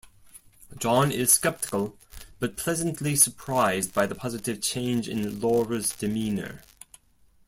John is sceptical but pleasantly surprised by the positive change in Laura's demeanour.